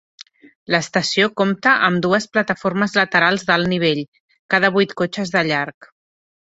L"estació compta amb dues plataformes laterals d'alt nivell, cada vuit cotxes de llarg.